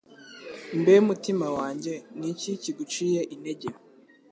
Mbe mutima wanjye ni iki kiguciye intege